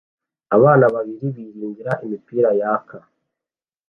Abana babiri biringira imipira yaka